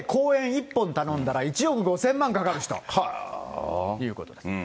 １本頼んだら、１億５０００万かかる人ということです。